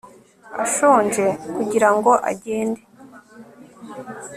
ashonje kugira ngo agende